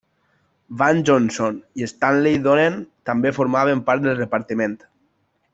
Van Johnson i Stanley Donen també formaven part del repartiment.